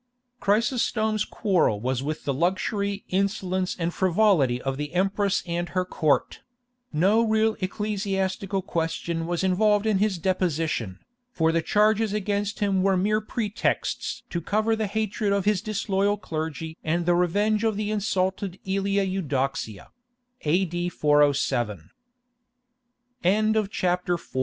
Chrysostom's quarrel was with the luxury, insolence, and frivolity of the Empress and her Court; no real ecclesiastical question was involved in his deposition, for the charges against him were mere pretexts to cover the hatred of his disloyal clergy and the revenge of the insulted Aelia Eudoxia. [A.D. 407.] V. THE REORGANIZATION OF THE EASTERN EMPIRE. (A.